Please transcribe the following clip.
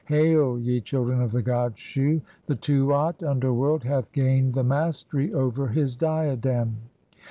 Hail, ye children of "the god Shu! The Tuat (underworld) hath gained the mastery "over his diadem.